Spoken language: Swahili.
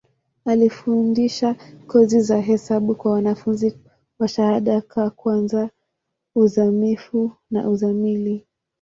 Alifundisha kozi za hesabu kwa wanafunzi wa shahada ka kwanza, uzamivu na uzamili.